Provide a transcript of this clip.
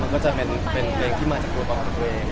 มันก็จะเป็นเพลงที่มาจากความรู้สึกของตัวเอง